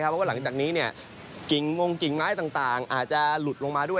เพราะว่าหลังจากนี้กิ่งงงกิ่งไม้ต่างอาจจะหลุดลงมาด้วย